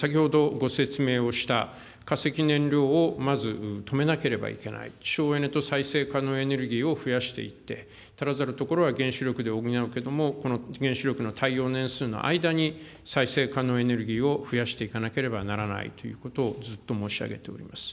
ですから先ほどご説明をした、化石燃料を、まず止めなければいけない、省エネと再生可能エネルギーを増やしていって、足らざる所は原子力で補うけれども、この原子力の耐用年数の間に再生可能エネルギーを増やしていかなければならないということをずっと申し上げております。